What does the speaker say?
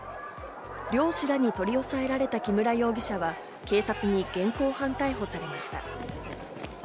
漁師らに取り押さえられた木村容疑者は警察に現行犯逮捕されました。